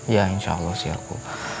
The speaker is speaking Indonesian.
ya insya allah sih aku